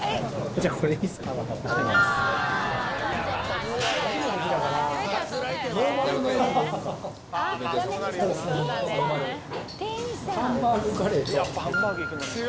じゃあ、これでいいですか。